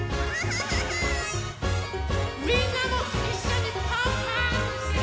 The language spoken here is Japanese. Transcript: みんなもいっしょにパンパンってしてね！